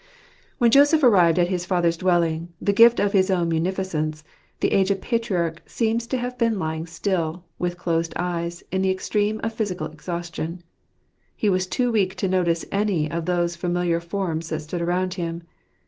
When Joseph arrived at his father's dwelling, the gift of his own munificence, the aged patriarch seems to have been lying still, with closed eyes, in the extreme of physical exhaustion. He was too weak to notice any of those familiar forms that stood around him.